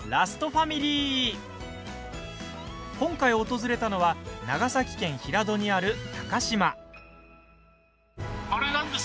今回、訪れたのは長崎県平戸にある高島。